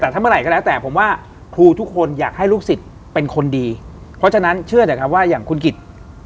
แต่ถ้าเมื่อไหร่ก็แล้วแต่ผมว่าครูทุกคนอยากให้ลูกศิษย์เป็นคนดีเพราะฉะนั้นเชื่อเถอะครับว่าอย่างคุณกิจ